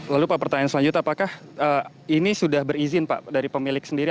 lalu pak pertanyaan selanjutnya apakah ini sudah berizin pak dari pemilik sendiri